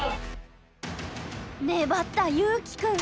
粘ったゆうきくん。